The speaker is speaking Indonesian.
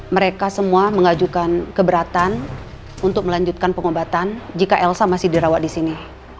mereka semua mengajukan keberatan untuk melanjutkan pengobatan jika elsa masih dirawat di sini